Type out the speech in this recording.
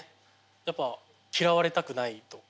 やっぱ嫌われたくないとか。